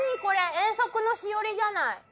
遠足のしおりじゃない！